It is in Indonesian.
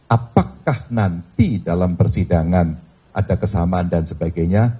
apakah nanti dalam persidangan ada kesamaan dan sebagainya